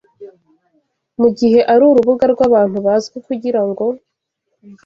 Mugihe ari urubuga rwabantu bazwi kugirango